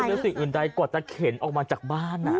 แล้วเป็นสิ่งอื่นใดกว่าถ้าเข็นออกมาจากบ้านอ่ะ